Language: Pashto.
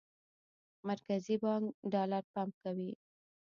مرکزي بانک ډالر پمپ کوي.